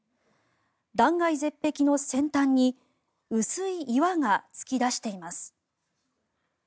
断崖絶壁の先端に薄い岩が突き出しています。